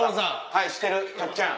はい知ってる「たっちゃん」。